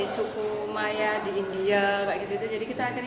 suku maya di india